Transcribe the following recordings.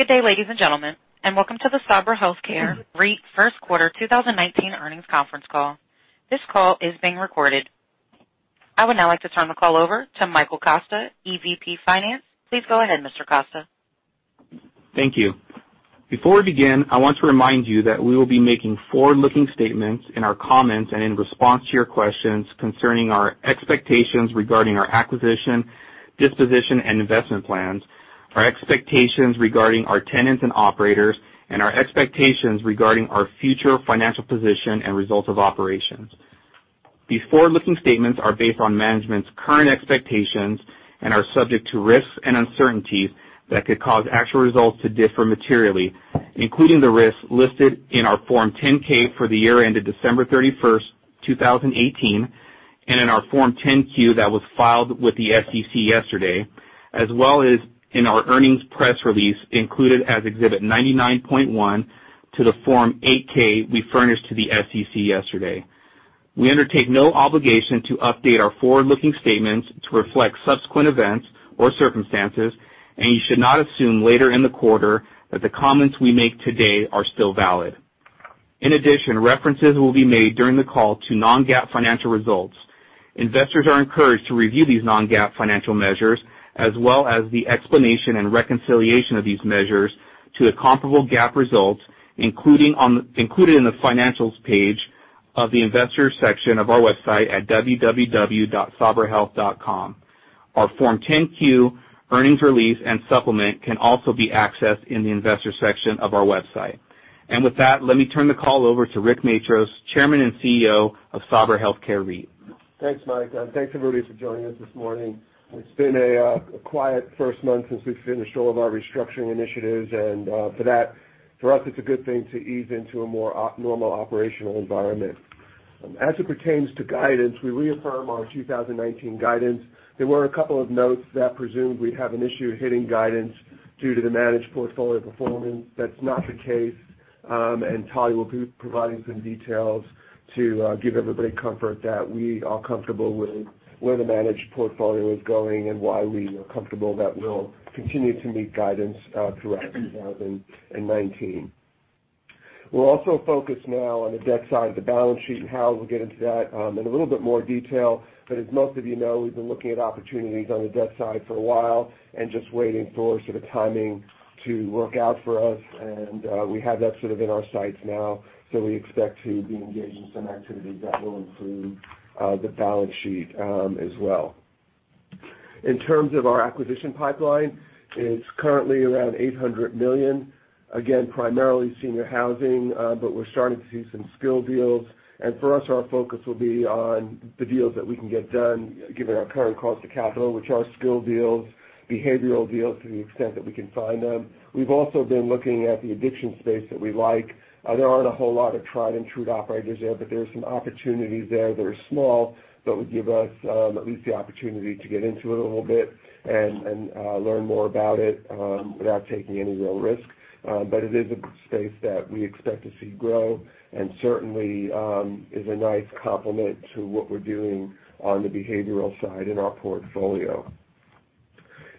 Good day, ladies and gentlemen, and welcome to the Sabra Health Care REIT First Quarter 2019 Earnings Conference Call. This call is being recorded. I would now like to turn the call over to Michael Costa, EVP Finance. Please go ahead, Mr. Costa. Thank you. Before we begin, I want to remind you that we will be making forward-looking statements in our comments and in response to your questions concerning our expectations regarding our acquisition, disposition, and investment plans, our expectations regarding our tenants and operators, and our expectations regarding our future financial position and results of operations. These forward-looking statements are based on management's current expectations and are subject to risks and uncertainties that could cause actual results to differ materially, including the risks listed in our Form 10-K for the year ended December 31st, 2018, and in our Form 10-Q that was filed with the SEC yesterday, as well as in our earnings press release included as Exhibit 99.1 to the Form 8-K we furnished to the SEC yesterday. We undertake no obligation to update our forward-looking statements to reflect subsequent events or circumstances, and you should not assume later in the quarter that the comments we make today are still valid. In addition, references will be made during the call to non-GAAP financial results. Investors are encouraged to review these non-GAAP financial measures, as well as the explanation and reconciliation of these measures to a comparable GAAP result, included in the financials page of the investor section of our website at www.sabrahealth.com. Our Form 10-Q, earnings release, and supplement can also be accessed in the investor section of our website. With that, let me turn the call over to Rick Matros, Chairman and CEO of Sabra Health Care REIT. Thanks, Mike, and thanks, everybody, for joining us this morning. It's been a quiet first month since we finished all of our restructuring initiatives, and for us, it's a good thing to ease into a more normal operational environment. As it pertains to guidance, we reaffirm our 2019 guidance. There were a couple of notes that presumed we'd have an issue hitting guidance due to the managed portfolio performance. That's not the case, and Talya will be providing some details to give everybody comfort that we are comfortable with where the managed portfolio is going and why we are comfortable that we'll continue to meet guidance throughout 2019. We're also focused now on the debt side of the balance sheet, and Hal will get into that in a little bit more detail. As most of you know, we've been looking at opportunities on the debt side for a while and just waiting for sort of timing to work out for us. We have that sort of in our sights now. We expect to be engaged in some activity that will improve the balance sheet as well. In terms of our acquisition pipeline, it's currently around $800 million, again, primarily senior housing, but we're starting to see some skilled deals. For us, our focus will be on the deals that we can get done given our current cost of capital, which are skilled deals, behavioral deals to the extent that we can find them. We've also been looking at the addiction space that we like. There aren't a whole lot of tried and true operators there, but there are some opportunities there that are small that would give us at least the opportunity to get into it a little bit and learn more about it without taking any real risk. It is a space that we expect to see grow and certainly is a nice complement to what we're doing on the behavioral side in our portfolio.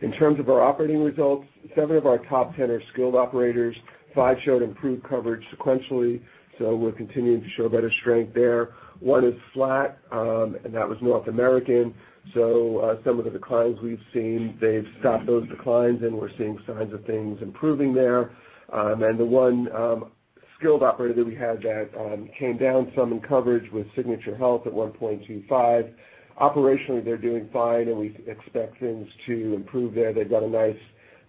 In terms of our operating results, 7 of our top 10 are skilled operators. Five showed improved coverage sequentially, so we're continuing to show better strength there. One is flat, and that was North American. Some of the declines we've seen, they've stopped those declines, and we're seeing signs of things improving there. The one skilled operator that we had that came down some in coverage was Signature HealthCARE at 1.25. Operationally, they're doing fine, we expect things to improve there. They've got a nice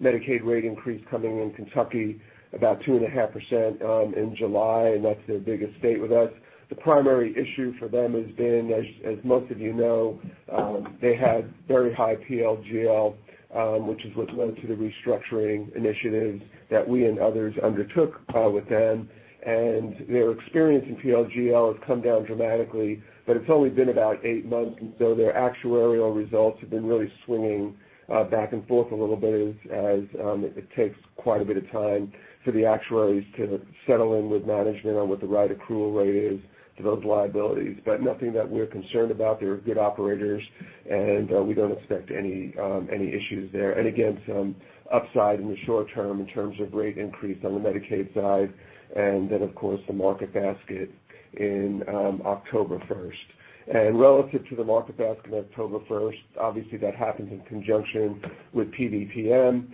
Medicaid rate increase coming in Kentucky, about 2.5% in July, and that's their biggest state with us. The primary issue for them has been, as most of you know, they had very high PL/GL, which is what led to the restructuring initiatives that we and others undertook with them. Their experience in PL/GL has come down dramatically, but it's only been about eight months, and so their actuarial results have been really swinging back and forth a little bit as it takes quite a bit of time for the actuaries to settle in with management on what the right accrual rate is to those liabilities. Nothing that we're concerned about. They are good operators, and we don't expect any issues there. Again, some upside in the short term in terms of rate increase on the Medicaid side, and then, of course, the market basket in October 1st. Relative to the market basket on October 1st, obviously that happens in conjunction with PDPM.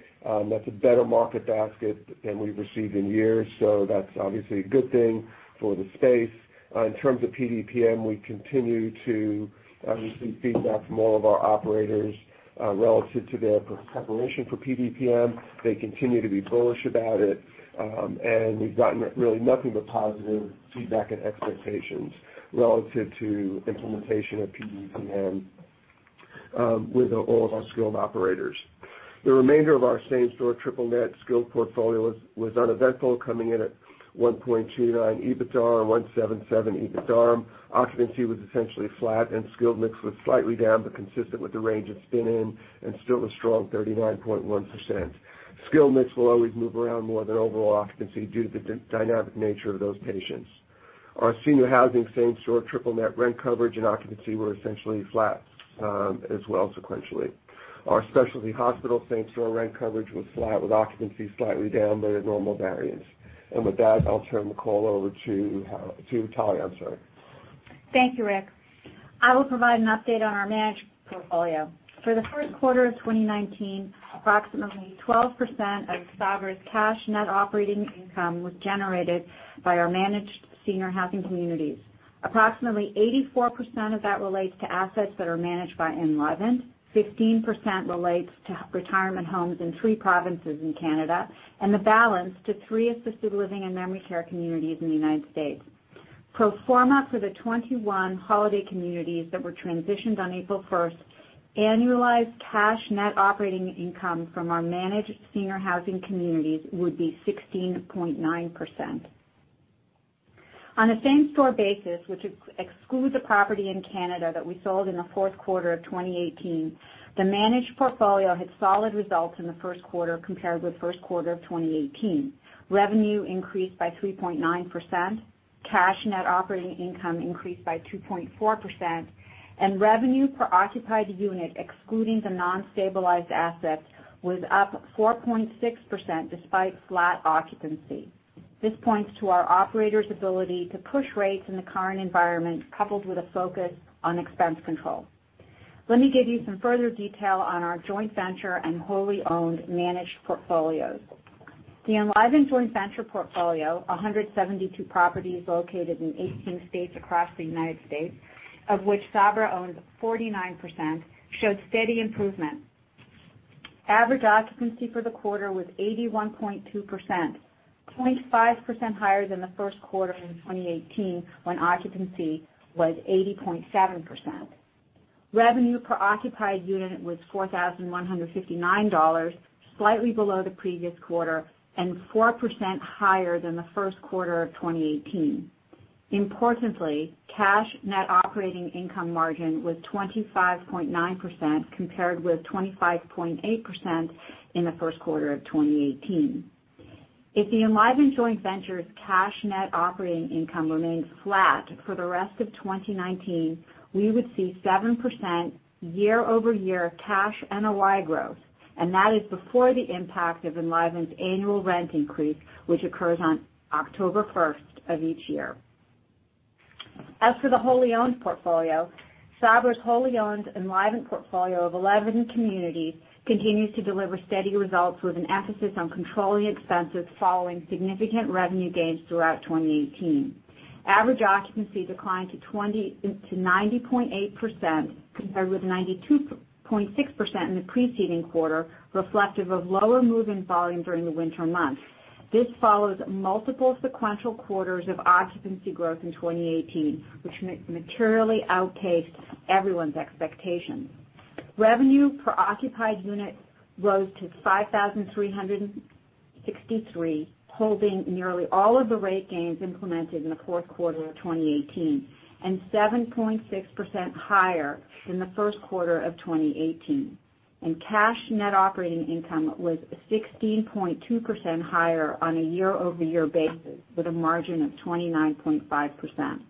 That's a better market basket than we've received in years, so that's obviously a good thing for the space. In terms of PDPM, we continue to receive feedback from all of our operators relative to their preparation for PDPM. They continue to be bullish about it, and we've gotten really nothing but positive feedback and expectations relative to implementation of PDPM with all of our skilled operators. The remainder of our same-store triple-net skilled portfolio was uneventful, coming in at 1.29 EBITDA and 1.77 EBITDARM. Occupancy was essentially flat, skilled mix was slightly down but consistent with the range it's been in and still a strong 39.1%. Skilled mix will always move around more than overall occupancy due to the dynamic nature of those patients. Our senior housing same-store triple net rent coverage and occupancy were essentially flat as well sequentially. Our specialty hospital same-store rent coverage was flat with occupancy slightly down by a normal variance. With that, I'll turn the call over to Talya. Thank you, Rick. I will provide an update on our managed portfolio. For the first quarter of 2019, approximately 12% of Sabra's cash net operating income was generated by our managed senior housing communities. Approximately 84% of that relates to assets that are managed by Enlivant, 15% relates to retirement homes in three provinces in Canada, and the balance to three assisted living and memory care communities in the United States. Pro forma for the 21 Holiday communities that were transitioned on April 1st, annualized cash net operating income from our managed senior housing communities would be 16.9%. On a same-store basis, which excludes a property in Canada that we sold in the fourth quarter of 2018, the managed portfolio had solid results in the first quarter compared with first quarter of 2018. Revenue increased by 3.9%, cash net operating income increased by 2.4%, revenue per occupied unit, excluding the non-stabilized assets, was up 4.6% despite flat occupancy. This points to our operators' ability to push rates in the current environment, coupled with a focus on expense control. Let me give you some further detail on our joint venture and wholly owned managed portfolios. The Enlivant Joint Venture portfolio, 172 properties located in 18 states across the United States, of which Sabra owns 49%, showed steady improvement. Average occupancy for the quarter was 81.2%, 0.5% higher than the first quarter in 2018, when occupancy was 80.7%. Revenue per occupied unit was $4,159, slightly below the previous quarter and 4% higher than the first quarter of 2018. Importantly, cash net operating income margin was 25.9% compared with 25.8% in the first quarter of 2018. If the Enlivant Joint Venture's cash net operating income remains flat for the rest of 2019, we would see 7% year-over-year cash NOI growth. That is before the impact of Enlivant's annual rent increase, which occurs on October 1st of each year. For the wholly owned portfolio, Sabra's wholly owned Enlivant portfolio of 11 communities continues to deliver steady results with an emphasis on controlling expenses following significant revenue gains throughout 2018. Average occupancy declined to 90.8% compared with 92.6% in the preceding quarter, reflective of lower move-in volume during the winter months. This follows multiple sequential quarters of occupancy growth in 2018, which materially outpaced everyone's expectations. Revenue per occupied unit rose to $5,363, holding nearly all of the rate gains implemented in the fourth quarter of 2018, 7.6% higher than the first quarter of 2018. Cash net operating income was 16.2% higher on a year-over-year basis with a margin of 29.5%.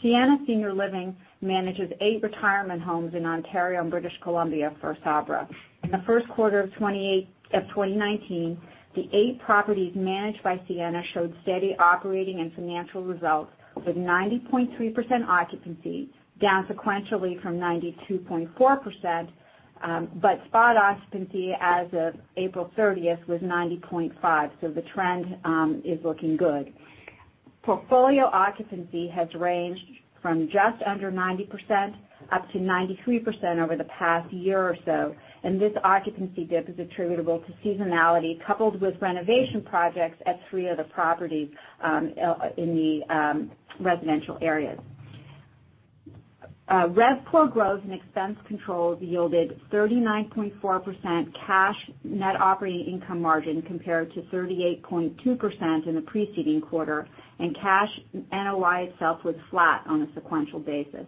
Sienna Senior Living manages eight retirement homes in Ontario and British Columbia for Sabra. In the first quarter of 2019, the eight properties managed by Sienna showed steady operating and financial results with 90.3% occupancy, down sequentially from 92.4%. Spot occupancy as of April 30th was 90.5%, the trend is looking good. Portfolio occupancy has ranged from just under 90% up to 93% over the past year or so. This occupancy dip is attributable to seasonality coupled with renovation projects at three of the properties in the residential areas. Rev per growth and expense controls yielded 39.4% cash net operating income margin compared to 38.2% in the preceding quarter. Cash NOI itself was flat on a sequential basis.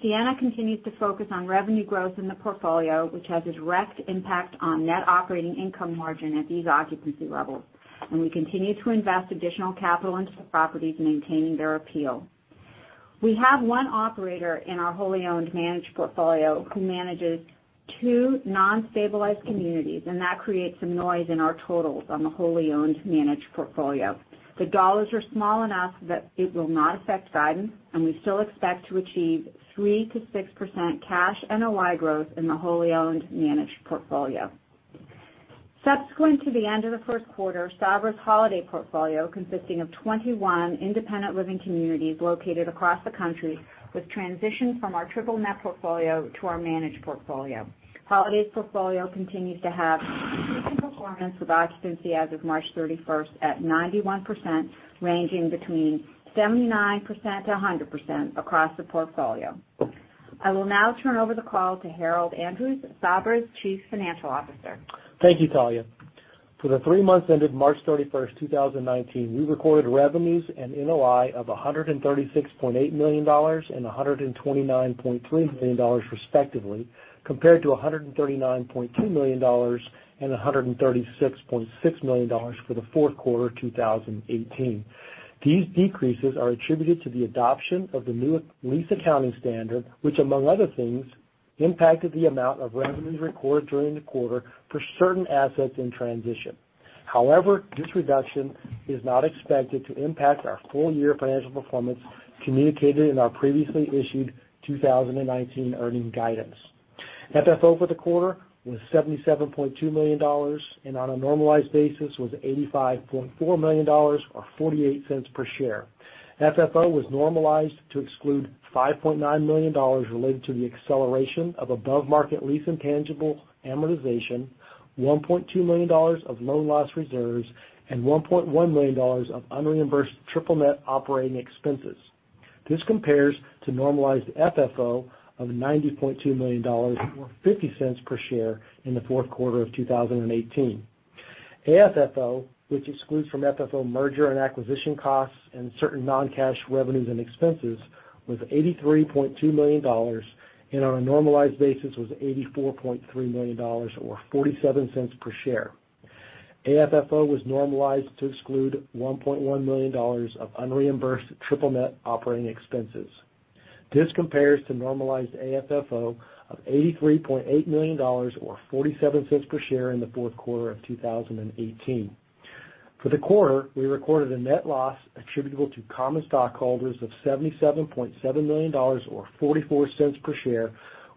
Sienna continues to focus on revenue growth in the portfolio, which has a direct impact on net operating income margin at these occupancy levels. We continue to invest additional capital into the properties, maintaining their appeal. We have one operator in our wholly owned managed portfolio who manages two non-stabilized communities. That creates some noise in our totals on the wholly owned managed portfolio. The dollars are small enough that it will not affect guidance. We still expect to achieve 3%-6% cash NOI growth in the wholly owned managed portfolio. Subsequent to the end of the first quarter, Sabra's Holiday portfolio, consisting of 21 independent living communities located across the country, was transitioned from our triple-net portfolio to our managed portfolio. Holiday's portfolio continues to have consistent performance with occupancy as of March 31st at 91%, ranging between 79%-100% across the portfolio. I will now turn over the call to Harold Andrews, Sabra's Chief Financial Officer. Thank you, Talya. For the three months ended March 31st, 2019, we recorded revenues and NOI of $136.8 million and $129.3 million respectively, compared to $139.2 million and $136.6 million for the fourth quarter of 2018. These decreases are attributed to the adoption of the new lease accounting standard, which among other things, impacted the amount of revenues recorded during the quarter for certain assets in transition. This reduction is not expected to impact our full-year financial performance communicated in our previously issued 2019 earnings guidance. FFO for the quarter was $77.2 million, and on a normalized basis was $85.4 million, or $0.48 per share. FFO was normalized to exclude $5.9 million related to the acceleration of above-market lease intangible amortization, $1.2 million of loan loss reserves, and $1.1 million of unreimbursed triple-net operating expenses. This compares to normalized FFO of $90.2 million, or $0.50 per share in the fourth quarter of 2018. AFFO, which excludes from FFO merger and acquisition costs and certain non-cash revenues and expenses, was $83.2 million, and on a normalized basis was $84.3 million, or $0.47 per share. AFFO was normalized to exclude $1.1 million of unreimbursed triple-net operating expenses. This compares to normalized AFFO of $83.8 million, or $0.47 per share in the fourth quarter of 2018. For the quarter, we recorded a net loss attributable to common stockholders of $77.7 million or $0.44 per share,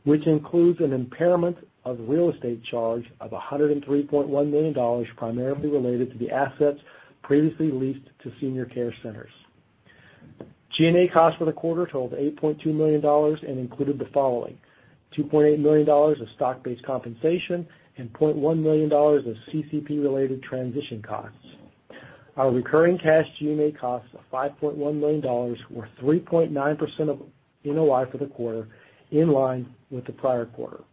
which includes an impairment of real estate charge of $103.1 million, primarily related to the assets previously leased to Senior Care Centers. G&A costs for the quarter totaled $8.2 million and included the following: $2.8 million of stock-based compensation and $0.1 million of CCP-related transition costs. Our recurring cash G&A costs of $5.1 million were 3.9% of NOI for the quarter, in line with the prior quarter.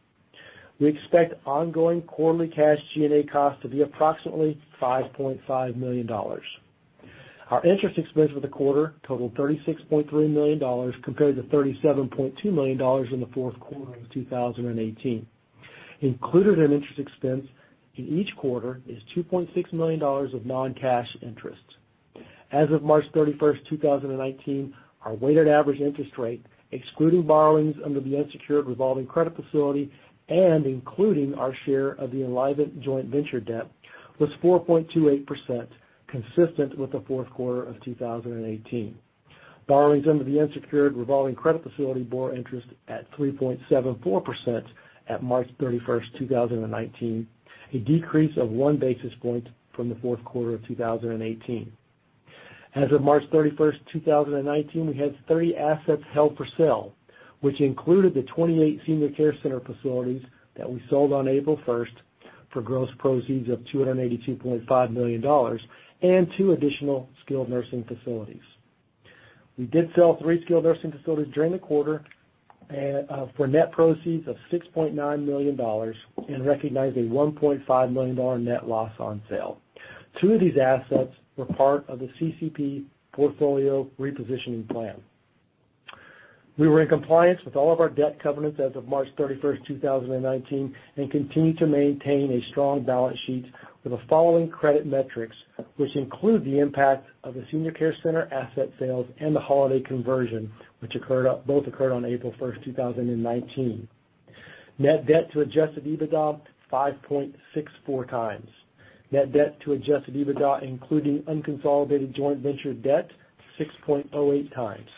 We expect ongoing quarterly cash G&A costs to be approximately $5.5 million. Our interest expense for the quarter totaled $36.3 million compared to $37.2 million in the fourth quarter of 2018. Included in interest expense in each quarter is $2.6 million of non-cash interest. As of March 31st, 2019, our weighted average interest rate, excluding borrowings under the unsecured revolving credit facility and including our share of the Enlivant Joint Venture debt, was 4.28%, consistent with the fourth quarter of 2018. Borrowings under the unsecured revolving credit facility bore interest at 3.74% at March 31st, 2019, a decrease of one basis point from the fourth quarter of 2018. As of March 31st, 2019, we had 30 assets held for sale, which included the 28 Senior Care Centers facilities that we sold on April 1st for gross proceeds of $282.5 million and two additional skilled nursing facilities. We did sell three skilled nursing facilities during the quarter for net proceeds of $6.9 million and recognized a $1.5 million net loss on sale. Two of these assets were part of the CCP portfolio repositioning plan. We were in compliance with all of our debt covenants as of March 31st, 2019, and continue to maintain a strong balance sheet with the following credit metrics, which include the impact of the Senior Care Centers asset sales and the Holiday conversion, which both occurred on April 1st, 2019. Net debt to adjusted EBITDA, 5.64 times. Net debt to adjusted EBITDA, including unconsolidated joint venture debt, 6.08 times.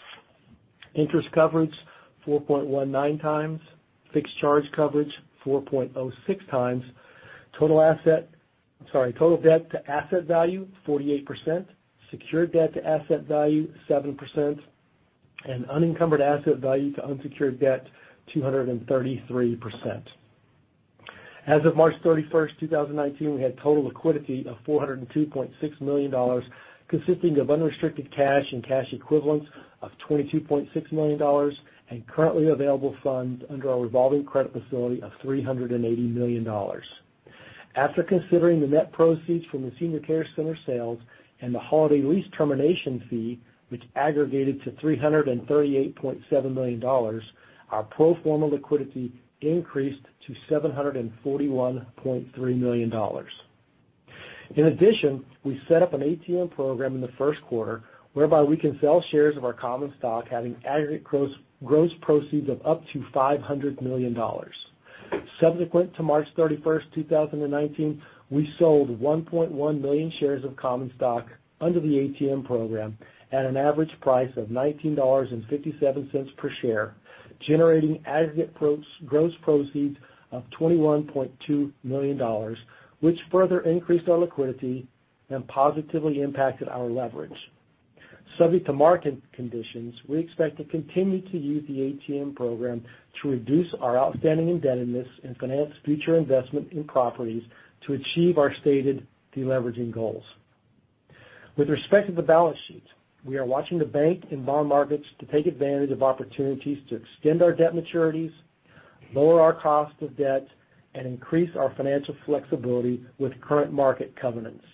Interest coverage, 4.19 times. Fixed charge coverage, 4.06 times. Total debt to asset value, 48%. Secured debt to asset value, 7%. Unencumbered asset value to unsecured debt, 233%. As of March 31st, 2019, we had total liquidity of $402.6 million, consisting of unrestricted cash and cash equivalents of $22.6 million and currently available funds under our revolving credit facility of $380 million. After considering the net proceeds from the Senior Care Centers sales and the Holiday lease termination fee, which aggregated to $338.7 million, our pro forma liquidity increased to $741.3 million. In addition, we set up an ATM program in the first quarter whereby we can sell shares of our common stock having aggregate gross proceeds of up to $500 million. Subsequent to March 31st, 2019, we sold 1.1 million shares of common stock under the ATM program at an average price of $19.57 per share, generating aggregate gross proceeds of $21.2 million, which further increased our liquidity and positively impacted our leverage. Subject to market conditions, we expect to continue to use the ATM program to reduce our outstanding indebtedness and finance future investment in properties to achieve our stated deleveraging goals. With respect to the balance sheet, we are watching the bank and bond markets to take advantage of opportunities to extend our debt maturities, lower our cost of debt, and increase our financial flexibility with current market covenants.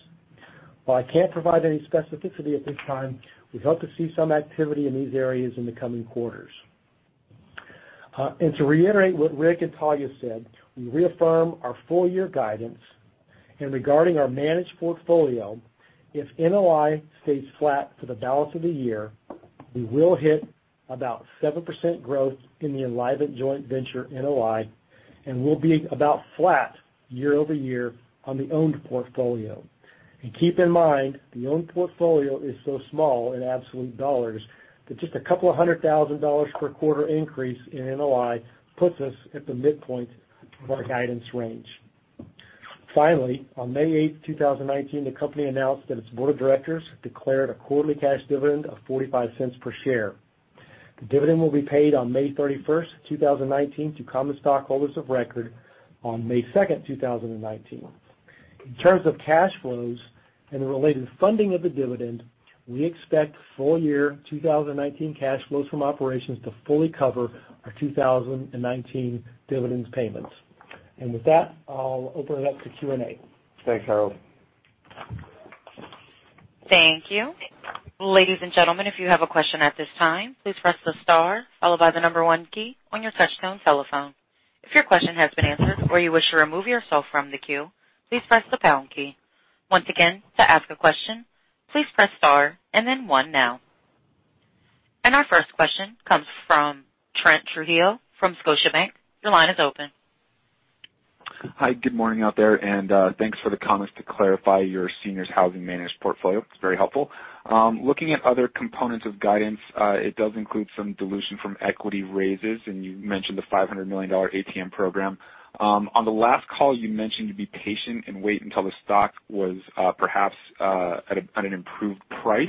To reiterate what Rick and Talya said, we reaffirm our full-year guidance. Regarding our managed portfolio, if NOI stays flat for the balance of the year, we will hit about 7% growth in the Enlivant Joint Venture NOI, and we'll be about flat year-over-year on the owned portfolio. Keep in mind, the owned portfolio is so small in absolute dollars that just a couple of hundred thousand dollars per quarter increase in NOI puts us at the midpoint of our guidance range. Finally, on May 8th, 2019, the company announced that its board of directors declared a quarterly cash dividend of $0.45 per share. The dividend will be paid on May 31st, 2019 to common stockholders of record on May 2nd, 2019. In terms of cash flows and the related funding of the dividend, we expect full-year 2019 cash flows from operations to fully cover our 2019 dividends payments. With that, I'll open it up to Q&A. Thanks, Harold. Thank you. Ladies and gentlemen, if you have a question at this time, please press the star followed by the number one key on your touchtone telephone. If your question has been answered or you wish to remove yourself from the queue, please press the pound key. Once again, to ask a question, please press star and then one now. Our first question comes from Trent Trujillo from Scotiabank. Your line is open. Hi. Good morning out there, thanks for the comments to clarify your senior housing managed portfolio. It's very helpful. Looking at other components of guidance, it does include some dilution from equity raises, you mentioned the $500 million ATM program. On the last call, you mentioned you'd be patient and wait until the stock was perhaps at an improved price.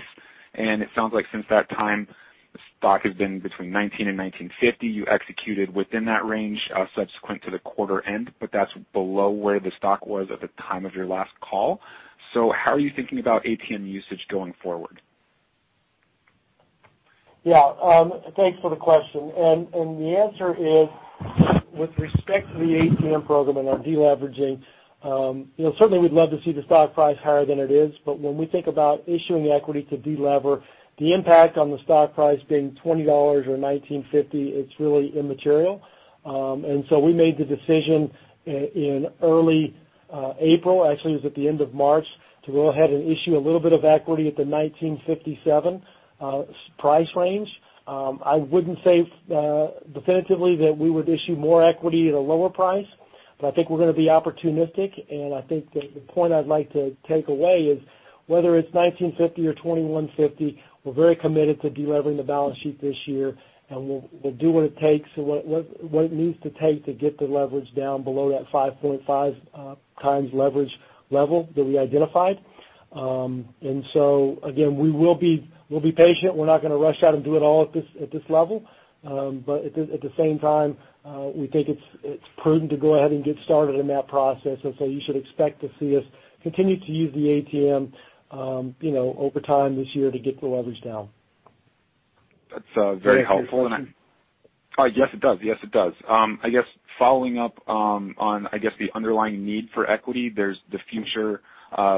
It sounds like since that time, the stock has been between $19-$19.50. You executed within that range, subsequent to the quarter end, but that's below where the stock was at the time of your last call. How are you thinking about ATM usage going forward? Yeah. Thanks for the question. The answer is, with respect to the ATM program and our de-leveraging, certainly we'd love to see the stock price higher than it is, but when we think about issuing equity to de-lever, the impact on the stock price being $20 or $19.50, it's really immaterial. We made the decision in early April, actually, it was at the end of March, to go ahead and issue a little bit of equity at the $19.57 price range. I wouldn't say definitively that we would issue more equity at a lower price, but I think we're going to be opportunistic. I think that the point I'd like to take away is whether it's $19.50 or $21.50, we're very committed to de-levering the balance sheet this year, and we'll do what it takes and what it needs to take to get the leverage down below that 5.5 times leverage level that we identified. Again, we'll be patient. We're not going to rush out and do it all at this level. At the same time, we think it's prudent to go ahead and get started in that process. You should expect to see us continue to use the ATM over time this year to get the leverage down. That's very helpful. Yes, it does. I guess following up on the underlying need for equity, there's the future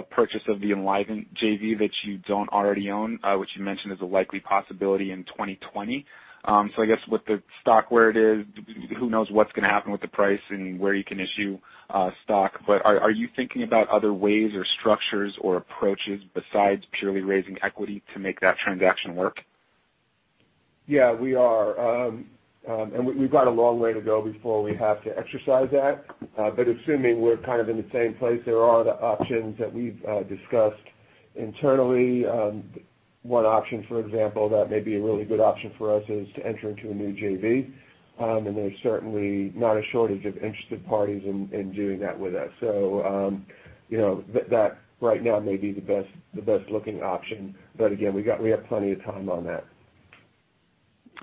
purchase of the Enlivant JV that you don't already own, which you mentioned is a likely possibility in 2020. I guess with the stock where it is, who knows what's going to happen with the price and where you can issue stock. Are you thinking about other ways or structures or approaches besides purely raising equity to make that transaction work? Yeah, we are. We've got a long way to go before we have to exercise that. Assuming we're kind of in the same place, there are other options that we've discussed internally. One option, for example, that may be a really good option for us is to enter into a new JV, and there's certainly not a shortage of interested parties in doing that with us. That right now may be the best-looking option. Again, we have plenty of time on that.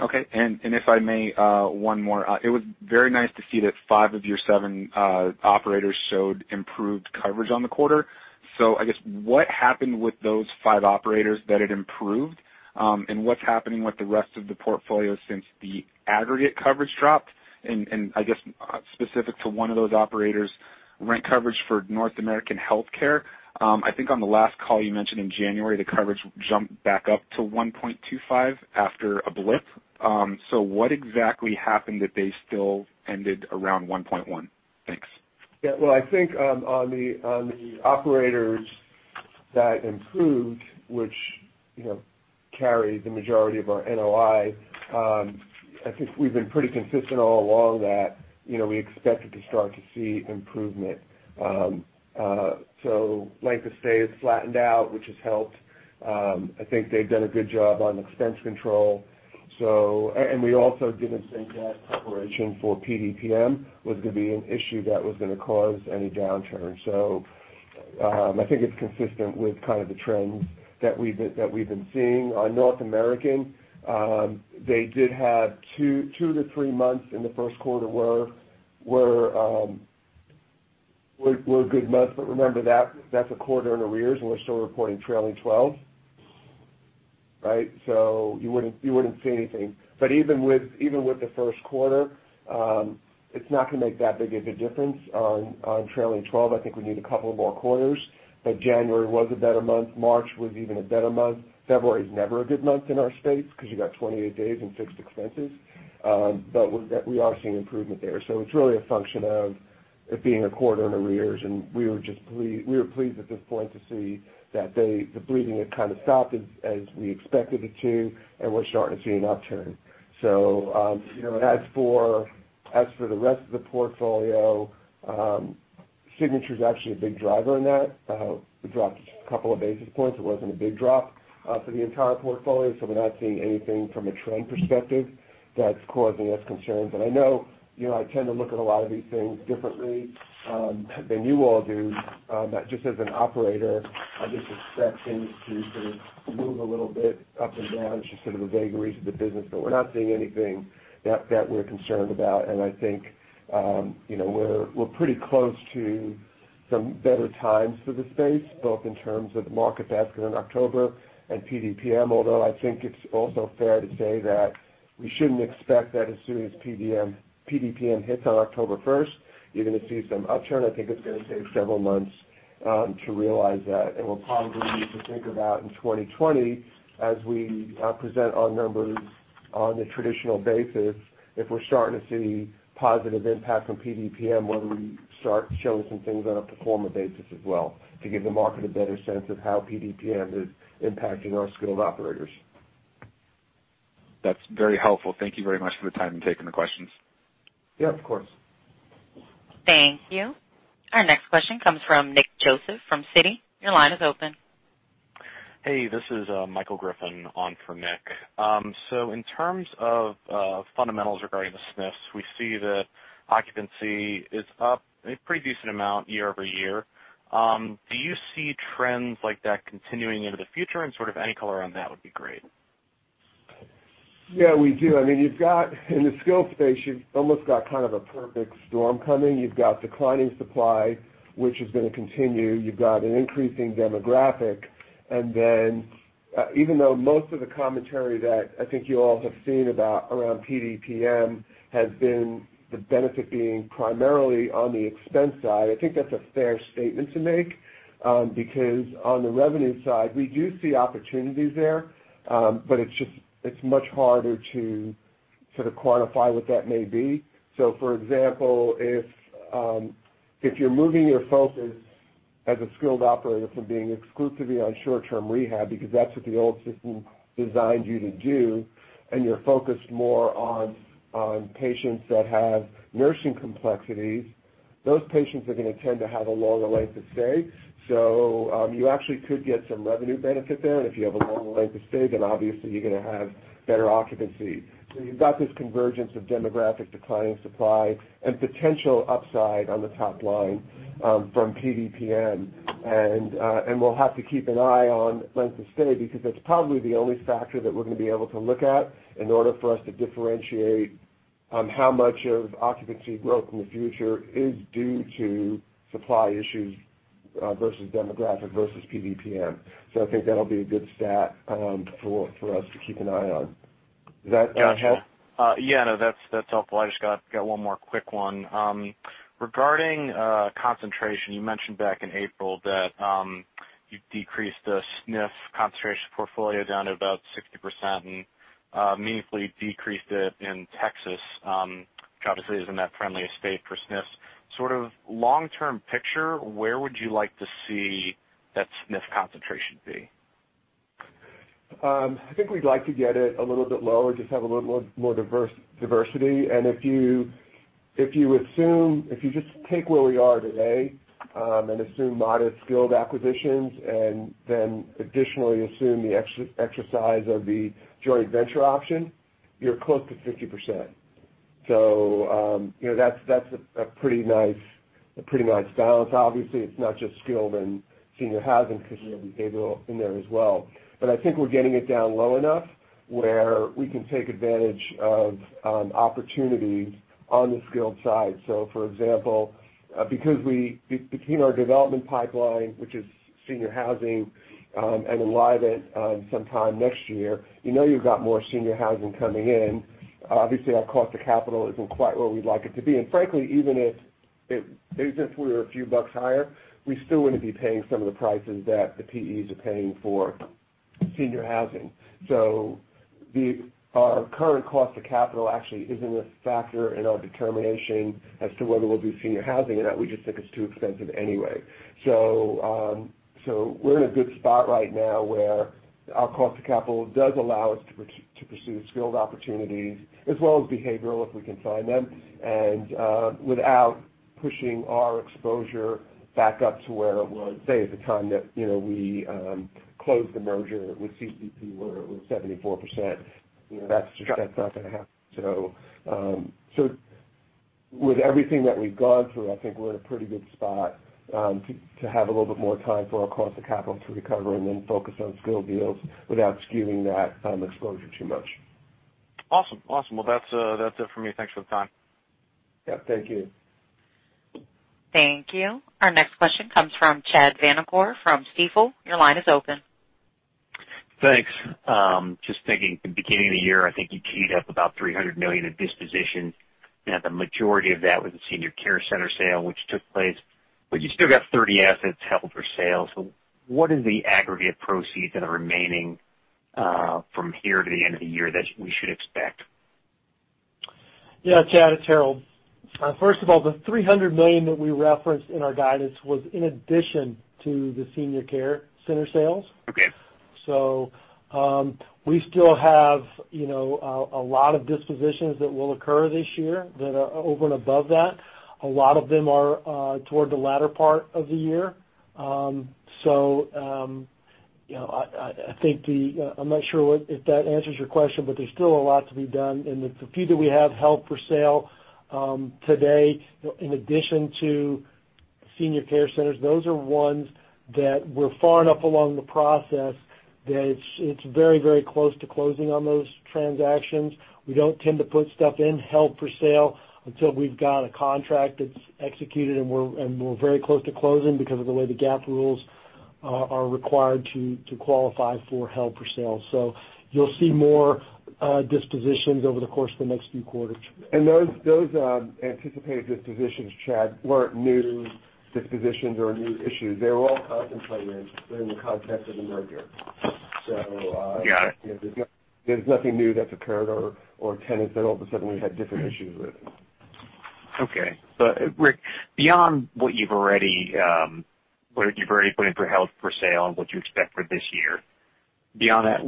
Okay. If I may, one more. It was very nice to see that five of your seven operators showed improved coverage on the quarter. I guess what happened with those five operators that it improved, what's happening with the rest of the portfolio since the aggregate coverage dropped? I guess specific to one of those operators, rent coverage for North American Health Care. I think on the last call you mentioned in January, the coverage jumped back up to 1.25 after a blip. What exactly happened that they still ended around 1.1? Thanks. Well, I think on the operators that improved, which carry the majority of our NOI, I think we've been pretty consistent all along that we expected to start to see improvement. Length of stay has flattened out, which has helped. I think they've done a good job on expense control. We also didn't think that preparation for PDPM was going to be an issue that was going to cause any downturn. I think it's consistent with kind of the trends that we've been seeing. On North American, they did have two to three months in the first quarter were good months, but remember that's a quarter in arrears, and we're still reporting trailing 12. Right? You wouldn't see anything. Even with the first quarter, it's not going to make that big of a difference on trailing 12. I think we need a couple more quarters, January was a better month. March was even a better month. February is never a good month in our space because you got 28 days and fixed expenses. We are seeing improvement there. It's really a function of it being a quarter in arrears, and we were pleased at this point to see that the bleeding had kind of stopped as we expected it to, and we're starting to see an upturn. As for the rest of the portfolio, Signature's actually a big driver in that. It dropped a couple of basis points. It wasn't a big drop for the entire portfolio. We're not seeing anything from a trend perspective that's causing us concerns. I know I tend to look at a lot of these things differently than you all do. Just as an operator, I just expect things to sort of move a little bit up and down. It's just sort of the vagaries of the business. We're not seeing anything that we're concerned about, and I think we're pretty close to some better times for the space, both in terms of the market basket in October and PDPM. Although I think it's also fair to say that we shouldn't expect that as soon as PDPM hits on October 1st, you're going to see some upturn. I think it's going to take several months to realize that, we'll probably need to think about in 2020, as we present our numbers on a traditional basis, if we're starting to see positive impact from PDPM, whether we start showing some things on a pro forma basis as well to give the market a better sense of how PDPM is impacting our skilled operators. That's very helpful. Thank you very much for the time and taking the questions. Yeah, of course. Thank you. Our next question comes from Nick Joseph from Citi. Your line is open. Hey, this is Michael Griffin on for Nick. In terms of fundamentals regarding the SNFs, we see that occupancy is up a pretty decent amount year-over-year. Do you see trends like that continuing into the future, and sort of any color on that would be great. Yeah, we do. In the skilled space, you've almost got kind of a perfect storm coming. You've got declining supply, which is going to continue. You've got an increasing demographic, and then even though most of the commentary that I think you all have seen around PDPM has been the benefit being primarily on the expense side, I think that's a fair statement to make. Because on the revenue side, we do see opportunities there, but it's much harder to sort of quantify what that may be. For example, if you're moving your focus as a skilled operator from being exclusively on short-term rehab, because that's what the old system designed you to do, and you're focused more on patients that have nursing complexities, those patients are going to tend to have a longer length of stay. You actually could get some revenue benefit there, and if you have a longer length of stay, then obviously you're going to have better occupancy. You've got this convergence of demographic decline in supply and potential upside on the top line from PDPM, and we'll have to keep an eye on length of stay, because that's probably the only factor that we're going to be able to look at in order for us to differentiate how much of occupancy growth in the future is due to supply issues versus demographic versus PDPM. I think that'll be a good stat for us to keep an eye on. Does that help? Got you. Yeah, no, that's helpful. I just got one more quick one. Regarding concentration, you mentioned back in April that you decreased the SNF concentration portfolio down to about 60% and meaningfully decreased it in Texas, which obviously isn't that friendly a state for SNFs. Sort of long-term picture, where would you like to see that SNF concentration be? I think we'd like to get it a little bit lower, just have a little more diversity. If you just take where we are today, and assume modest skilled acquisitions, and then additionally assume the exercise of the joint venture option, you're close to 50%. That's a pretty nice balance. Obviously, it's not just skilled and senior housing because you have behavioral in there as well. I think we're getting it down low enough where we can take advantage of opportunities on the skilled side. For example, between our development pipeline, which is senior housing, and alive at sometime next year, you know you've got more senior housing coming in. Obviously, our cost of capital isn't quite where we'd like it to be. Frankly, even if we were a few bucks higher, we still wouldn't be paying some of the prices that the PEs are paying for senior housing. Our current cost of capital actually isn't a factor in our determination as to whether we'll do senior housing or not. We just think it's too expensive anyway. We're in a good spot right now where our cost of capital does allow us to pursue skilled opportunities as well as behavioral, if we can find them, and without pushing our exposure back up to where it was, say, at the time that we closed the merger with CCP, where it was 74%. That's just not going to happen. With everything that we've gone through, I think we're in a pretty good spot to have a little bit more time for our cost of capital to recover and then focus on skilled deals without skewing that exposure too much. Awesome. Well, that's it for me. Thanks for the time. Yeah, thank you. Thank you. Our next question comes from Chad Vanacore from Stifel. Your line is open. Thanks. Just thinking, the beginning of the year, I think you keyed up about $300 million in dispositions. The majority of that was the Senior Care Centers sale, which took place. But you still got 30 assets held for sale. What is the aggregate proceeds that are remaining from here to the end of the year that we should expect? Yeah, Chad, it's Harold. First of all, the $300 million that we referenced in our guidance was in addition to the Senior Care Centers sales. Okay. We still have a lot of dispositions that will occur this year that are over and above that. A lot of them are toward the latter part of the year. I'm not sure if that answers your question, but there's still a lot to be done. The few that we have held for sale today, in addition to Senior Care Centers, those are ones that we're far enough along the process that it's very close to closing on those transactions. We don't tend to put stuff in held for sale until we've got a contract that's executed, and we're very close to closing because of the way the GAAP rules are required to qualify for held for sale. You'll see more dispositions over the course of the next few quarters. Those anticipated dispositions, Chad, weren't new dispositions or new issues. They were all contemplated within the context of the merger. Got it. There's nothing new that's occurred or tenants that all of a sudden we've had different issues with. Okay. Rick, beyond what you've already put in for held for sale and what you expect for this year, beyond that,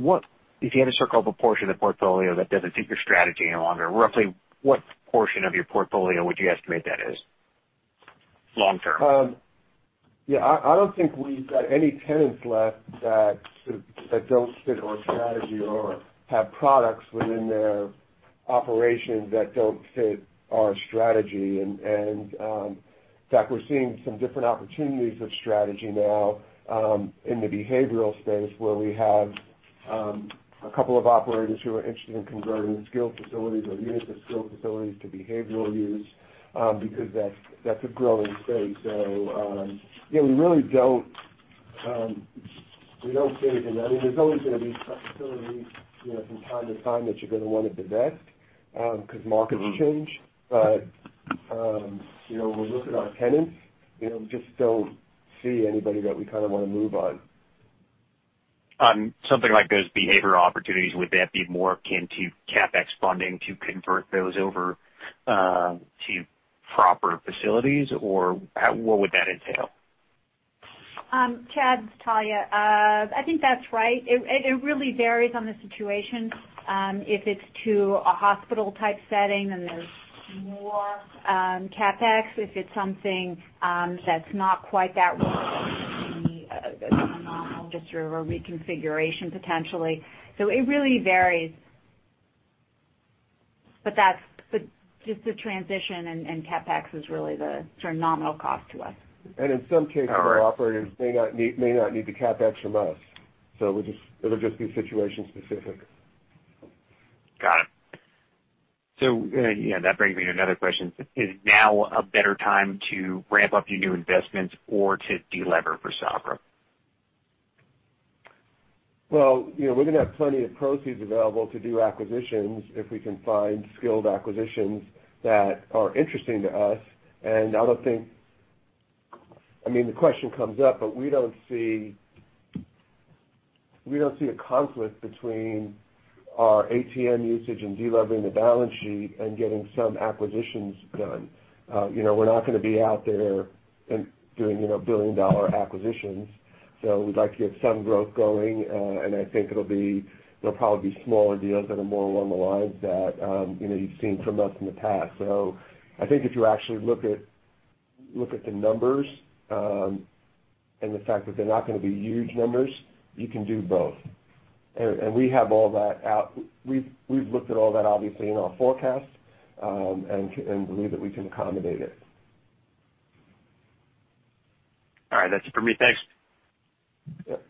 if you had to circle the portion of the portfolio that doesn't fit your strategy any longer, roughly what portion of your portfolio would you estimate that is long term? I don't think we've got any tenants left that don't fit our strategy or have products within their operations that don't fit our strategy. In fact, we're seeing some different opportunities of strategy now, in the behavioral space where we have a couple of operators who are interested in converting skilled facilities or units of skilled facilities to behavioral use, because that's a growing space. We really don't see anything. There's always going to be facilities, from time to time that you're going to want to divest, because markets change. When we look at our tenants, we just don't see anybody that we kind of want to move on. On something like those behavior opportunities, would that be more akin to CapEx funding to convert those over to proper facilities? What would that entail? Chad, it's Talya. I think that's right. It really varies on the situation. If it's to a hospital type setting, then there's more CapEx. If it's something that's not quite that big, it may be a nominal just sort of a reconfiguration potentially. It really varies. Just the transition and CapEx is really the sort of nominal cost to us. In some cases- All right. the operators may not need the CapEx from us. It'll just be situation specific. Got it. That brings me to another question. Is now a better time to ramp up your new investments or to delever for Sabra? Well, we're going to have plenty of proceeds available to do acquisitions if we can find skilled acquisitions that are interesting to us. I don't think The question comes up, but we don't see a conflict between our ATM usage and de-levering the balance sheet and getting some acquisitions done. We're not going to be out there doing billion-dollar acquisitions. We'd like to get some growth going, and I think it'll probably be smaller deals that are more along the lines that you've seen from us in the past. I think if you actually look at the numbers, and the fact that they're not going to be huge numbers, you can do both. We have all that out. We've looked at all that, obviously, in our forecast, and believe that we can accommodate it. All right. That's it for me. Thanks. Yep.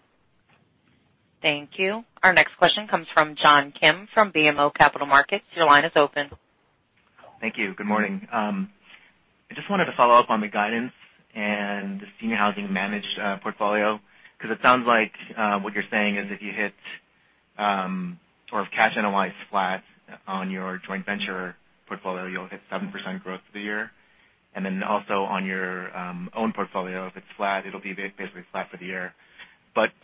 Thank you. Our next question comes from John Kim from BMO Capital Markets. Your line is open. Thank you. Good morning. I just wanted to follow up on the guidance and the managed senior housing portfolio, because it sounds like what you're saying is if you hit sort of cash NOI flat on your joint venture portfolio, you'll hit 7% growth for the year. Also on your own portfolio, if it's flat, it'll be basically flat for the year.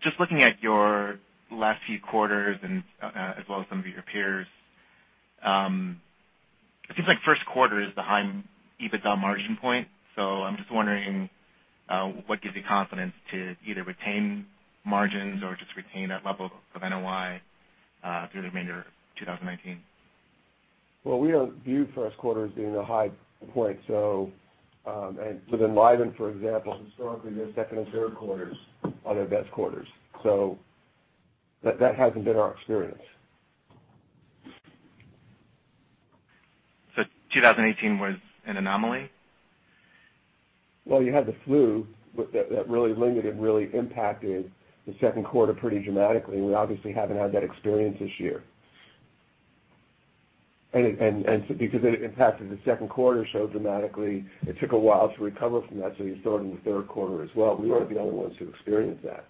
Just looking at your last few quarters and as well as some of your peers, it seems like first quarter is the high EBITDA margin point. I'm just wondering what gives you confidence to either retain margins or just retain that level of NOI through the remainder of 2019. Well, we don't view first quarter as being a high point. With Enlivant, for example, historically, their second and third quarters are their best quarters. That hasn't been our experience. 2018 was an anomaly? You had the flu that really limited, really impacted the second quarter pretty dramatically. We obviously haven't had that experience this year. Because it impacted the second quarter so dramatically, it took a while to recover from that, so you saw it in the third quarter as well. We weren't the only ones who experienced that.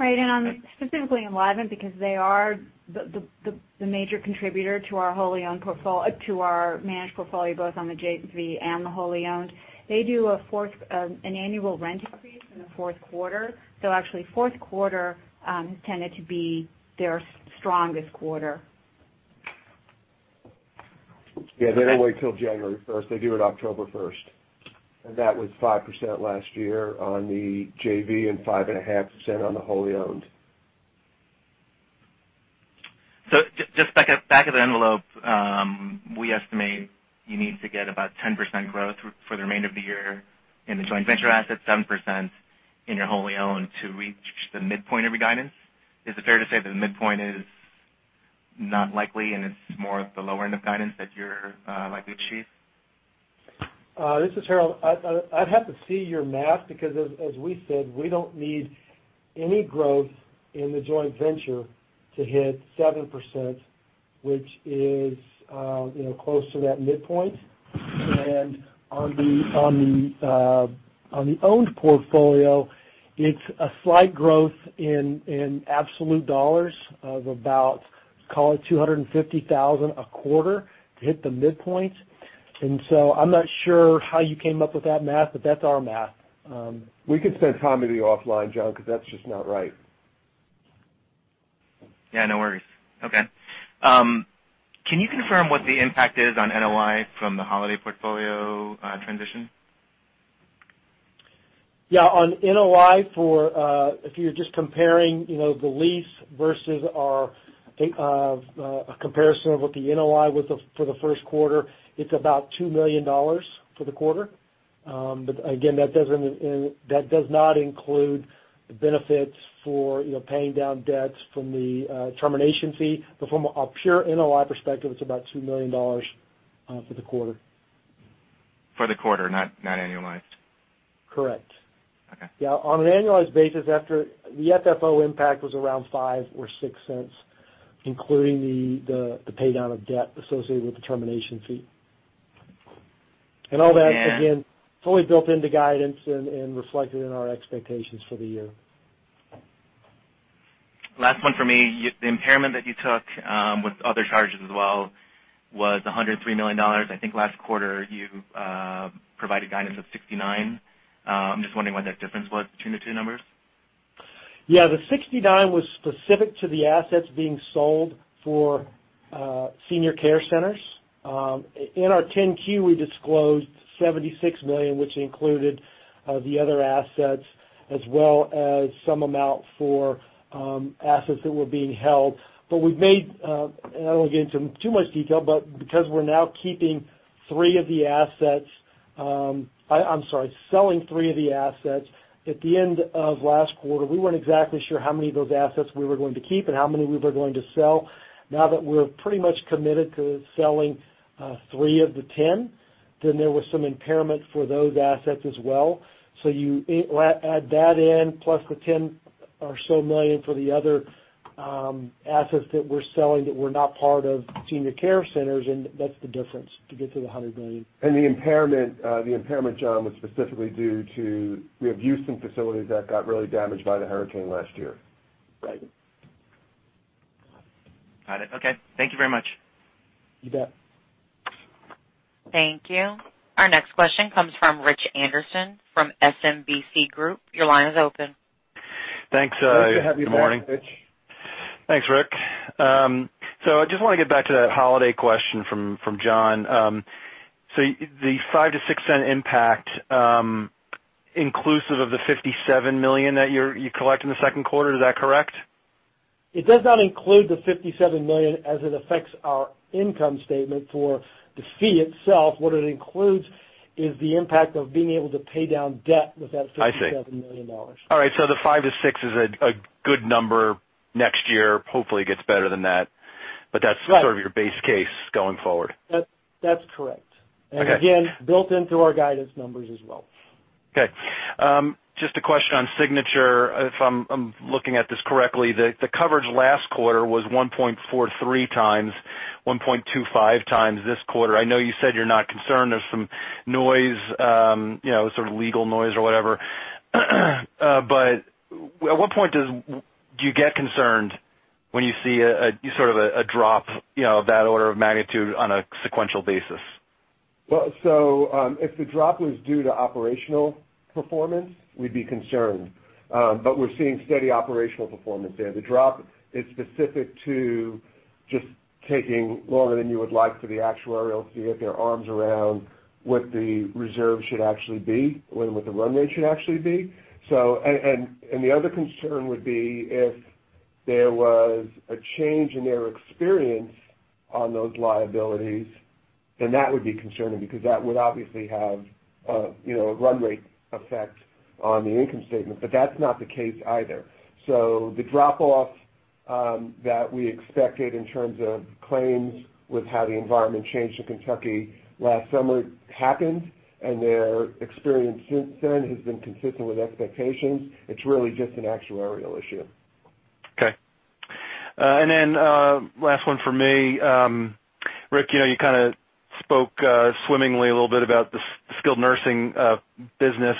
Right. Specifically Enlivant, because they are the major contributor to our managed portfolio, both on the JV and the wholly-owned. They do an annual rent increase in the fourth quarter. Actually, fourth quarter has tended to be their strongest quarter. Yeah. They don't wait till January 1st. They do it October 1st, that was 5% last year on the JV and 5.5% on the wholly-owned. Just back of the envelope, we estimate you need to get about 10% growth for the remainder of the year in the joint venture assets, 7% in your wholly-owned to reach the midpoint of your guidance. Is it fair to say that the midpoint is not likely, and it's more of the lower end of guidance that you're likely to achieve? This is Harold. I'd have to see your math, because as we said, we don't need any growth in the joint venture to hit 7%, which is close to that midpoint. On the owned portfolio, it's a slight growth in absolute dollars of about, call it $250,000 a quarter to hit the midpoint. I'm not sure how you came up with that math, but that's our math. We could spend time with you offline, John, because that's just not right. Yeah, no worries. Okay. Can you confirm what the impact is on NOI from the Holiday portfolio transition? Yeah. On NOI, if you're just comparing the lease versus a comparison of what the NOI was for the first quarter, it's about $2 million for the quarter. Again, that does not include the benefits for paying down debts from the termination fee. From a pure NOI perspective, it's about $2 million for the quarter. For the quarter, not annualized. Correct. Okay. Yeah, on an annualized basis, the FFO impact was around $0.05 or $0.06, including the pay down of debt associated with the termination fee. All that, again. Yeah fully built into guidance and reflected in our expectations for the year. Last one for me. The impairment that you took with other charges as well was $103 million. I think last quarter, you provided guidance of $69 million. I'm just wondering what that difference was between the two numbers. The $69 million was specific to the assets being sold for Senior Care Centers. In our 10-Q, we disclosed $76 million, which included the other assets as well as some amount for assets that were being held. We've made, and I don't want to get into too much detail, but because we're now keeping 3 of the assets, selling 3 of the assets. At the end of last quarter, we weren't exactly sure how many of those assets we were going to keep and how many we were going to sell. We're pretty much committed to selling 3 of the 10, there was some impairment for those assets as well. You add that in, plus the $10 or so million for the other assets that we're selling that were not part of Senior Care Centers, that's the difference to get to the $100 million. The impairment, John, was specifically due to, we have Houston facilities that got really damaged by the hurricane last year. Right. Got it. Okay. Thank you very much. You bet. Thank you. Our next question comes from Rich Anderson from SMBC Group. Your line is open. Thanks. Nice to have you back, Rich. Thanks, Rick. I just want to get back to that Holiday question from John. The $0.05-$0.06 impact inclusive of the $57 million that you collect in the second quarter, is that correct? It does not include the $57 million as it affects our income statement for the fee itself. What it includes is the impact of being able to pay down debt with that- I see $57 million. All right. The five to six is a good number next year. Hopefully, it gets better than that. Right sort of your base case going forward. That's correct. Okay. Again, built into our guidance numbers as well. Okay. Just a question on Signature HealthCARE. If I'm looking at this correctly, the coverage last quarter was 1.43 times, 1.25 times this quarter. I know you said you're not concerned. There's some noise, sort of legal noise or whatever. At what point do you get concerned when you see sort of a drop of that order of magnitude on a sequential basis? If the drop was due to operational performance, we'd be concerned. We're seeing steady operational performance there. The drop is specific to just taking longer than you would like for the actuarial to get their arms around what the reserve should actually be and what the run rate should actually be. The other concern would be if there was a change in their experience on those liabilities, that would be concerning, because that would obviously have a run rate effect on the income statement, that's not the case either. The drop-off that we expected in terms of claims with how the environment changed in Kentucky last summer happened, and their experience since then has been consistent with expectations. It's really just an actuarial issue. Okay. Last one for me. Rick Matros, you kind of spoke swimmingly a little bit about the skilled nursing business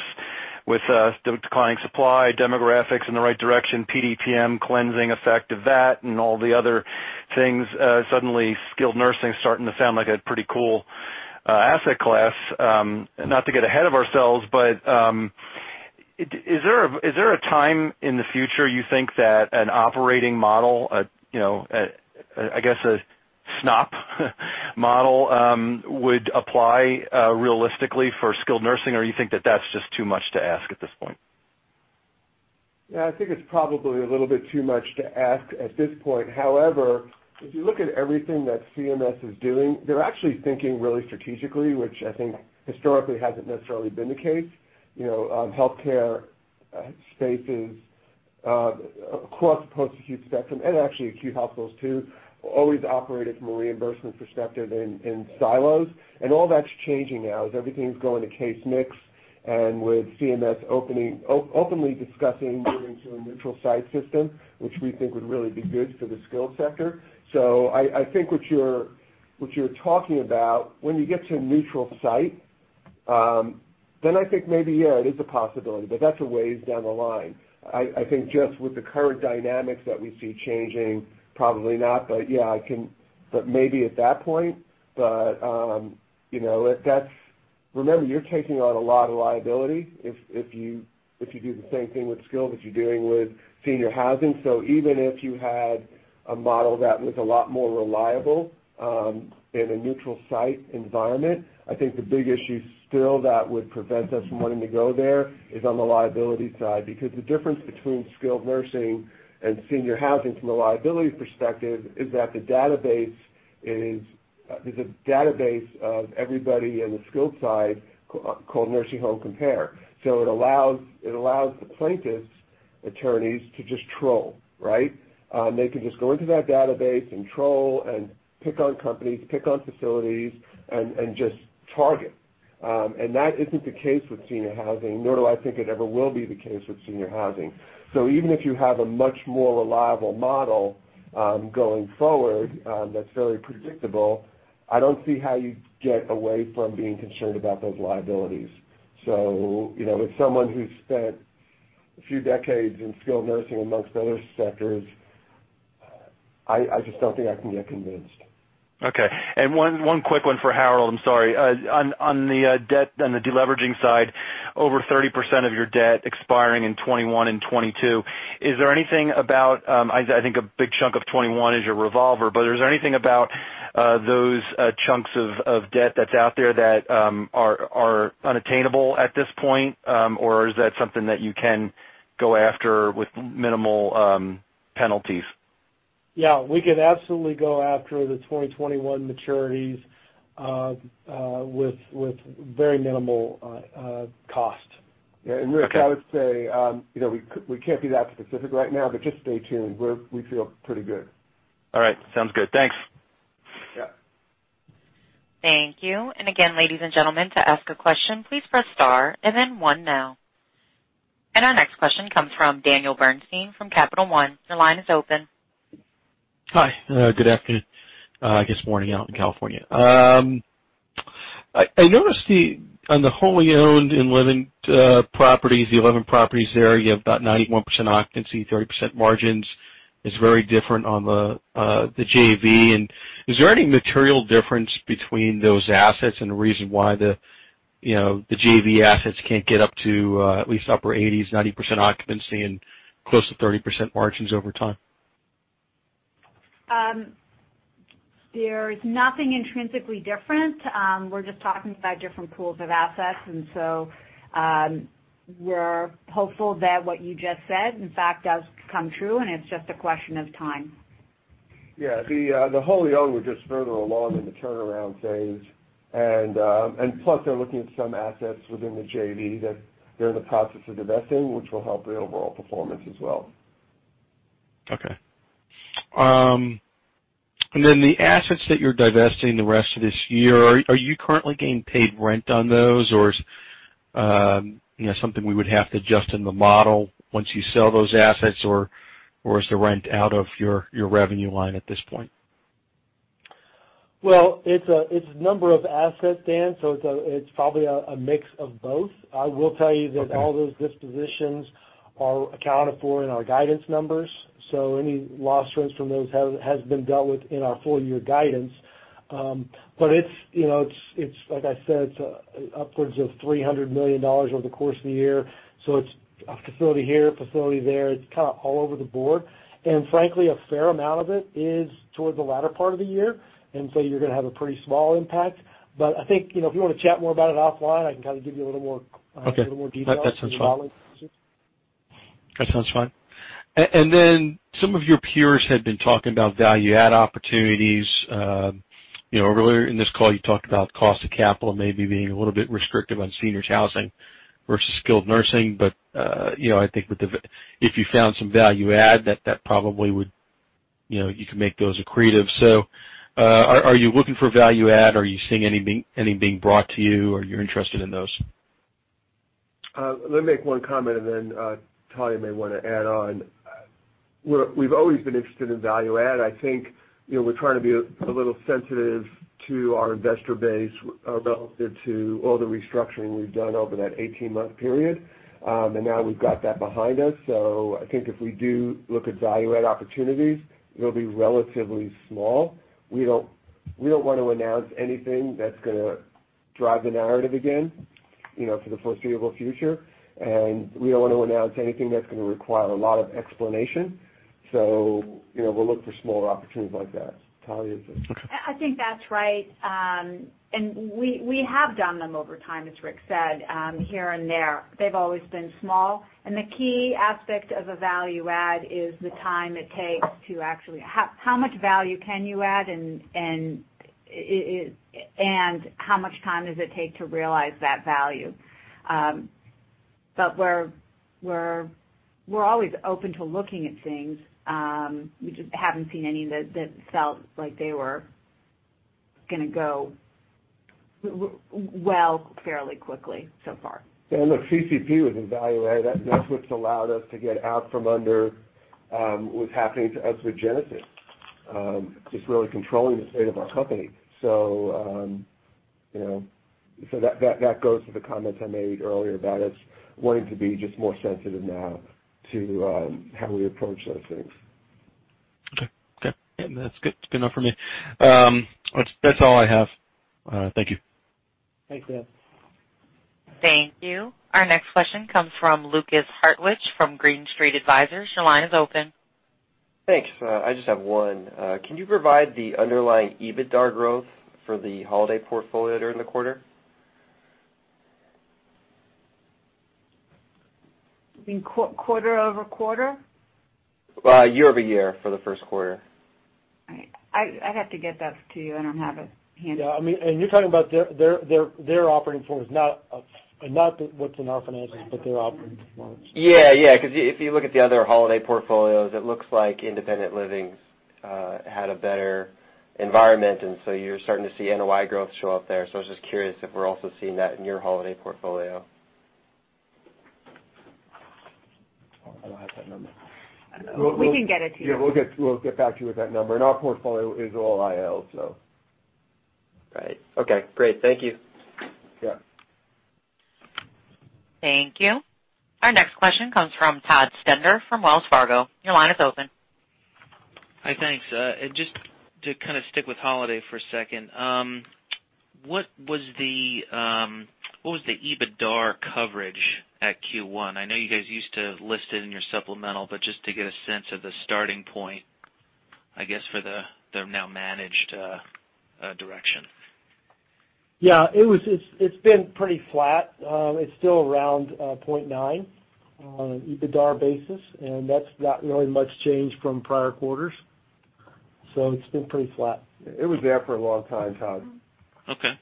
with declining supply, demographics in the right direction, PDPM cleansing effect of that and all the other things. Suddenly skilled nursing's starting to sound like a pretty cool asset class. Not to get ahead of ourselves, but is there a time in the future you think that an operating model, I guess a SNP model would apply realistically for skilled nursing? You think that that's just too much to ask at this point? I think it's probably a little bit too much to ask at this point. However, if you look at everything that CMS is doing, they're actually thinking really strategically, which I think historically hasn't necessarily been the case. Healthcare spaces across the post-acute spectrum and actually acute hospitals too, always operated from a reimbursement perspective in silos. All that's changing now as everything's going to case mix and with CMS openly discussing moving to a neutral site system, which we think would really be good for the skilled sector. I think what you're talking about, when you get to neutral site, I think maybe, yeah, it is a possibility, that's a ways down the line. I think just with the current dynamics that we see changing, probably not. Maybe at that point. Remember, you're taking on a lot of liability if you do the same thing with skilled that you're doing with senior housing. Even if you had a model that was a lot more reliable in a site-neutral environment, I think the big issue still that would prevent us from wanting to go there is on the liability side. The difference between skilled nursing and senior housing from a liability perspective is that there's a database of everybody in the skilled side called Nursing Home Compare. It allows the plaintiffs' attorneys to just troll, right? They can just go into that database and troll and pick on companies, pick on facilities and just target. That isn't the case with senior housing, nor do I think it ever will be the case with senior housing. Even if you have a much more reliable model going forward that's fairly predictable, I don't see how you get away from being concerned about those liabilities. With someone who's spent a few decades in skilled nursing amongst other sectors, I just don't think I can get convinced. Okay. One quick one for Harold, I'm sorry. On the debt and the deleveraging side, over 30% of your debt expiring in 2021 and 2022. I think a big chunk of 2021 is your revolver, is there anything about those chunks of debt that's out there that are unattainable at this point? Is that something that you can go after with minimal penalties? Yeah, we could absolutely go after the 2021 maturities with very minimal cost. Yeah. Rick, I would say we can't be that specific right now, but just stay tuned. We feel pretty good. All right. Sounds good. Thanks. Yeah. Thank you. Again, ladies and gentlemen, to ask a question, please press star and then 1 now. Our next question comes from Daniel Bernstein from Capital One. Your line is open. Hi. Good afternoon. I guess morning out in California. I noticed on the wholly owned Enlivant properties, the 11 properties there, you have about 91% occupancy, 30% margins. It's very different on the JV. Is there any material difference between those assets and the reason why the JV assets can't get up to at least upper 80s, 90% occupancy and close to 30% margins over time? There is nothing intrinsically different. We're just talking about different pools of assets. We're hopeful that what you just said, in fact, does come true, and it's just a question of time. Yeah. The wholly owned, we're just further along in the turnaround phase. Plus, they're looking at some assets within the JV that they're in the process of divesting, which will help the overall performance as well. Okay. Then the assets that you're divesting the rest of this year, are you currently getting paid rent on those, or is something we would have to adjust in the model once you sell those assets, or is the rent out of your revenue line at this point? Well, it's a number of assets, Dan, it's probably a mix of both. I will tell you that all those dispositions are accounted for in our guidance numbers. Any lost rents from those has been dealt with in our full year guidance. Like I said, it's upwards of $300 million over the course of the year, it's a facility here, a facility there. It's kind of all over the board. Frankly, a fair amount of it is towards the latter part of the year, you're going to have a pretty small impact. I think if you want to chat more about it offline, I can kind of give you a little more details. Okay. That sounds fine. Some of your peers had been talking about value add opportunities. Earlier in this call, you talked about cost of capital maybe being a little bit restrictive on senior housing versus skilled nursing. I think if you found some value add, you could make those accretive. Are you looking for value add? Are you seeing any being brought to you? Are you interested in those? Let me make one comment and then Talya may want to add on. We've always been interested in value add. I think we're trying to be a little sensitive to our investor base relative to all the restructuring we've done over that 18-month period. Now we've got that behind us. I think if we do look at value add opportunities, it'll be relatively small. We don't want to announce anything that's going to drive the narrative again for the foreseeable future. We don't want to announce anything that's going to require a lot of explanation. We'll look for smaller opportunities like that. Talya? I think that's right. We have done them over time, as Rick said, here and there. They've always been small. The key aspect of a value add is how much value can you add, and how much time does it take to realize that value? We're always open to looking at things. We just haven't seen any that felt like they were going to go well fairly quickly so far. Yeah, look, CCP was a value add. That's what's allowed us to get out from under what was happening to us with Genesis. Just really controlling the fate of our company. That goes to the comments I made earlier about us wanting to be just more sensitive now to how we approach those things. Okay. That's good enough for me. That's all I have. Thank you. Thanks, Dan. Thank you. Our next question comes from Lukas Hartwich from Green Street Advisors. Your line is open. Thanks. I just have one. Can you provide the underlying EBITDAR growth for the Holiday portfolio during the quarter? You mean quarter-over-quarter? Year-over-year for the first quarter. All right. I'd have to get that to you. I don't have it handy. Yeah. You're talking about their operating performance, not what's in our financials, but their operating performance. If you look at the other Holiday portfolios, it looks like independent living's had a better environment, you're starting to see NOI growth show up there. I was just curious if we're also seeing that in your Holiday portfolio. I don't have that number. We can get it to you. Yeah, we'll get back to you with that number. Our portfolio is all IL. Right. Okay, great. Thank you. Yeah. Thank you. Our next question comes from Todd Stender from Wells Fargo. Your line is open. Hi. Thanks. Just to kind of stick with Holiday for a second. What was the EBITDAR coverage at Q1? I know you guys used to list it in your supplemental, but just to get a sense of the starting point, I guess, for the now managed direction. Yeah. It's been pretty flat. It's still around 0.9 on an EBITDAR basis, that's not really much change from prior quarters. It's been pretty flat. It was there for a long time, Todd. Okay.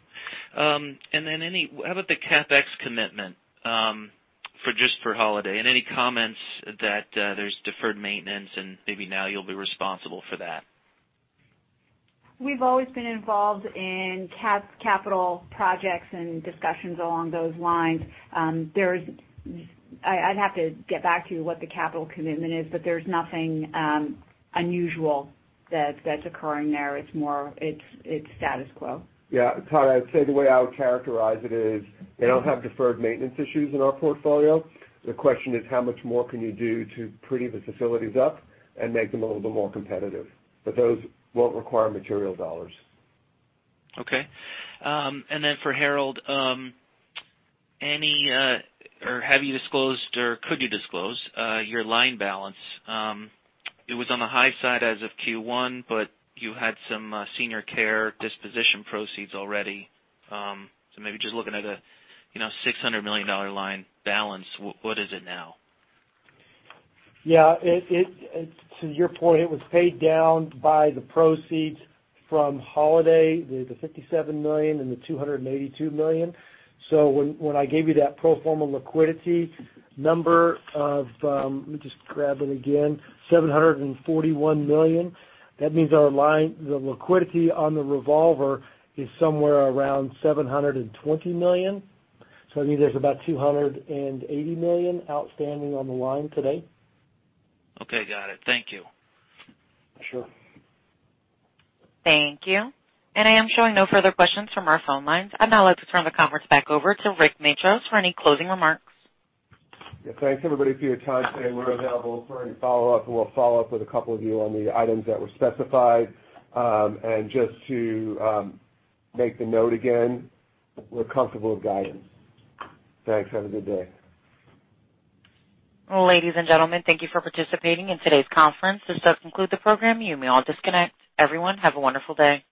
How about the CapEx commitment just for Holiday and any comments that there's deferred maintenance and maybe now you'll be responsible for that? We've always been involved in capital projects and discussions along those lines. I'd have to get back to you what the capital commitment is, but there's nothing unusual that's occurring there. It's status quo. Yeah. Todd, I would say the way I would characterize it is they don't have deferred maintenance issues in our portfolio. The question is how much more can you do to pretty the facilities up and make them a little bit more competitive, but those won't require material dollars. Okay. For Harold, have you disclosed, or could you disclose your line balance? It was on the high side as of Q1, you had some senior care disposition proceeds already. Maybe just looking at a $600 million line balance. What is it now? To your point, it was paid down by the proceeds from Holiday Retirement, the $57 million and the $282 million. When I gave you that pro forma liquidity number of, let me just grab it again, $741 million, that means the liquidity on the revolver is somewhere around $720 million. I think there's about $280 million outstanding on the line today. Got it. Thank you. Sure. Thank you. I am showing no further questions from our phone lines. I'd now like to turn the conference back over to Rick Matros for any closing remarks. Thanks, everybody, for your time today. We're available for any follow-up, we'll follow up with a couple of you on the items that were specified. Just to make the note again, we're comfortable with guidance. Thanks. Have a good day. Ladies and gentlemen, thank you for participating in today's conference. This does conclude the program. You may all disconnect. Everyone, have a wonderful day.